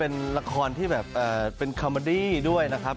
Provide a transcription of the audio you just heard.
น้องกระดาษอีกท่านหนึ่งก็คือด้านนั้น